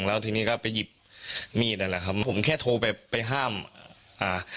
แล้วทีนี้ก็ไปหยิบมีดนั่นแหละครับผมแค่โทรไปไปห้ามอ่า